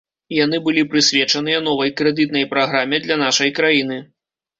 Яны былі прысвечаныя новай крэдытнай праграме для нашай краіны.